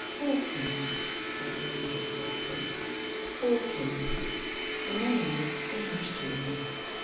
"Hawkins?" said the Angel softly,.... "Hawkins? The name is strange to me....